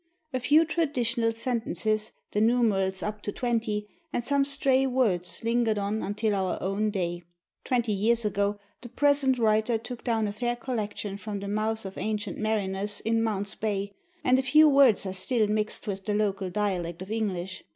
A few traditional sentences, the numerals up to twenty, and some stray words lingered on until our own day, twenty years ago the present writer took down a fair collection from the mouths of ancient mariners in Mount's Bay, and a few words are still mixed with the local dialect of English.